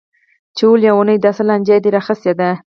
چې وه ليونيه دا څه لانجه دې راخيستې ده.